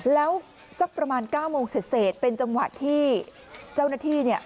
แล้วสักประมาณ๙โมงเศษเป็นจังหวะที่เจ้าหน้าที่เนี่ย